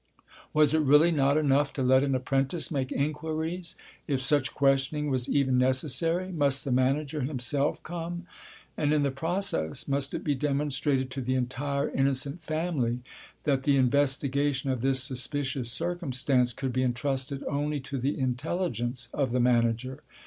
Was it really not enough to let an apprentice make inquiries, if such questioning was even necessary? Must the manager himself come, and in the process must it be demonstrated to the entire innocent family that the investigation of this suspicious circumstance could be entrusted only to the intelligence of the manager?